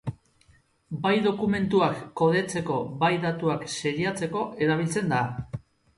Bai dokumentuak kodetzeko bai datuak seriatzeko erabiltzen da.